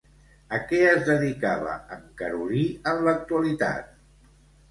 A què es dedicava en Carolí en l'actualitat?